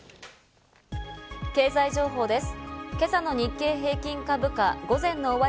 経済情報です。